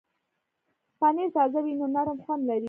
پنېر تازه وي نو نرم خوند لري.